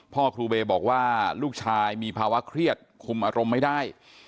พ่อครูเบย์บอกว่าลูกชายมีภาวะเครียดคุมอารมณ์ไม่ได้